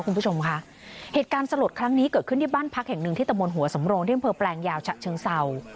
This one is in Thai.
คุณผู้ชมค่ะเหตุการณ์สลดครั้งนี้เกิดขึ้นที่บ้านพักแห่งหนึ่งที่ตะบนหัวสำโรงที่อำเภอแปลงยาวฉะเชิงเศร้า